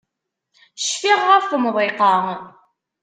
Cfiɣ ɣef umḍiq-a.